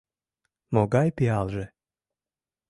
— Могай пиалже!